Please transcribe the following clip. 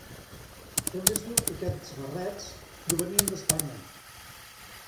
També es diu que aquests barrets provenien d'Espanya.